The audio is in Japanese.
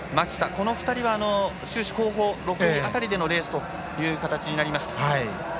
この２人は終始後方６位辺りでのレースという形でした。